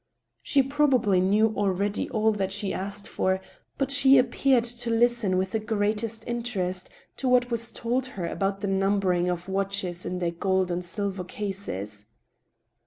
She probably knew already all that she asked for, but she ap peared to listen with the greatest mterest to what was told her about the numbering of watches in their gold and silver cases.